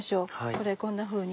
これこんなふうに。